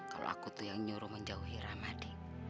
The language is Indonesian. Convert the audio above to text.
kalau aku tuh yang nyuruh menjauhi rahmadi